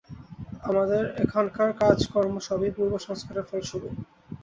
আমাদের এখানকার কাজকর্ম সবই পূর্বসংস্কারের ফলস্বরূপ।